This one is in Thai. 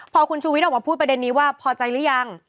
พอคุณชูวิทย์ออกมาพูดประเด็นนี้ว่าพอใจหรือยัง